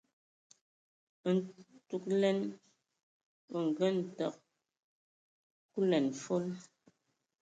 Ntugəlɛn o ngənə təg kulɛn fol.